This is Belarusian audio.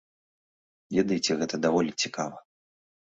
Ведаеце, гэта даволі цікава.